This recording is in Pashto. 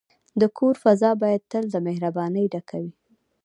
د کور فضا باید تل د مهربانۍ ډکه وي.